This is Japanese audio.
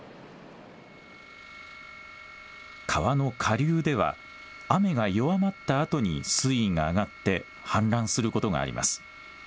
川の下流では雨が弱まったあとに水位が上がって氾濫することがあります。